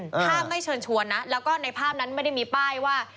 ถ้าไม่เชิญชวนนะแล้วก็ในภาพนั้นไม่ได้มีป้ายว่า